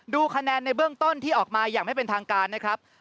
ดูคะแนนในเบื้องต้นที่ออกมาอย่างไม่เป็นทางการนะครับ